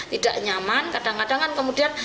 tidak nyaman kadang kadang kan kemudian